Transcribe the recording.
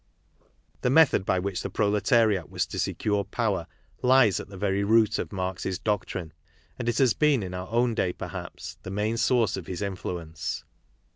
The method by which the proletariat was to securei| power lies at the very root of Marx's doctrine ; and it ; has been in our own day, perhaps, the main source of his influence.